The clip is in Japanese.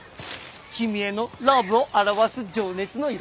君へのラブを表す情熱の色。